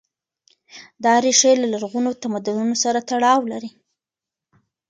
دا ريښې له لرغونو تمدنونو سره تړاو لري.